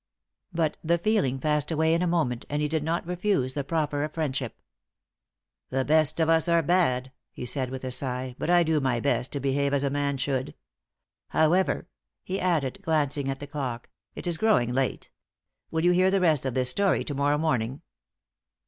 But the feeling passed away in a moment, and he did not refuse the proffer of friendship. "The best of us are bad," he said, with a sigh, "but I do my best to behave as a man should. However," he added, glancing at the clock, "it is growing late. Will you hear the rest of this story to morrow morning?"